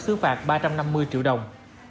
xứ phạt ba trăm năm mươi triệu đồng